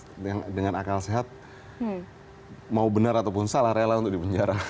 mungkin ada orang yang dengan akal sehat mau benar ataupun salah rela untuk dipenjara